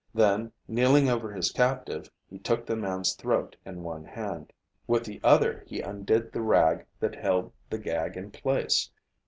Then, kneeling over his captive, he took the man's throat in one hand. With the other he undid the rag that held the gag in place.